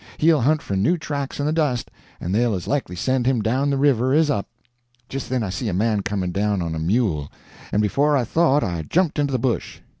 He'll hunt for new tracks in the dust, and they'll as likely send him down the river as up. "Just then I see a man coming down on a mule, and before I thought I jumped into the bush.